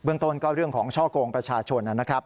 ต้นก็เรื่องของช่อกงประชาชนนะครับ